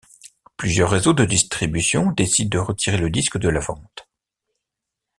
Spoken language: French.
Plusieurs réseaux de distribution décident de retirer le disque de la vente.